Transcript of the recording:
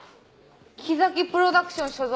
きざきプロダクション所属。